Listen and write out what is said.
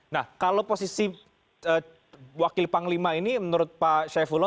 nah kalau posisi wakil panglima ini menurut pak syaifullah